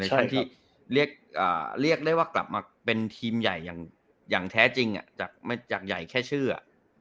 ชั่นที่เรียกได้ว่ากลับมาเป็นทีมใหญ่อย่างแท้จริงจากใหญ่แค่ชื่อ